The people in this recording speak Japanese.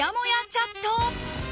チャット。